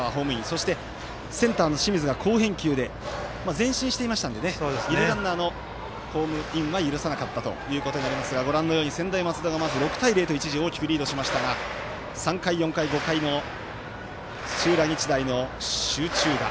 そして、センターの清水が好返球で前進していましたので二塁ランナーのホームインは許さなかったということになりますがご覧のように専大松戸が６対０と一時、大きくリードしましたが３回、４回、５回も土浦日大の集中打。